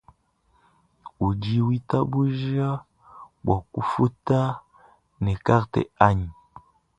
Udi witabuja bua nkufuta ne karte anyi ?